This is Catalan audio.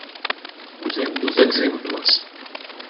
Posem dos exemples.